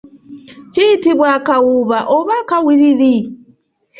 Kiyitibwa akawuuba oba akawiriwiri.